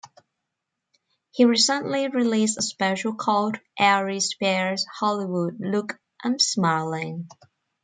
He recently released a special called "Aries Spears: Hollywood, Look I'm Smiling".